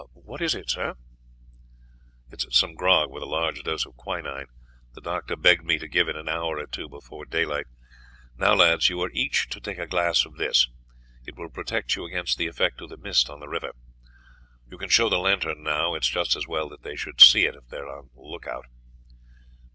"What is it, sir?" "It is some grog, with a large dose of quinine. The doctor begged me to give it an hour or two before daylight. Now, lads, you are each to take a glass of this; it will protect you against the effect of the mist on the river. You can show the lantern now; it is just as well that they should see it if they are on the lookout."